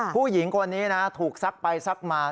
ผู้หญิงคนนี้นะถูกซักไปซักมา